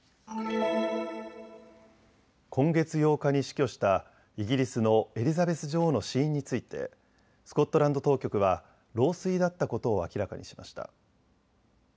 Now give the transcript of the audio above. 今月８日に死去したイギリスのエリザベス女王の死因についてスコットランド当局は老衰だったことを明らかにしました。